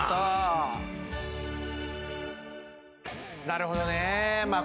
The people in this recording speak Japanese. なるほどね。